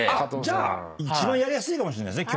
じゃあ一番やりやすいのかもしれないですね